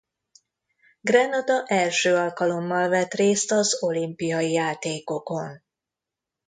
Grenada első alkalommal vett részt az olimpiai játékokon.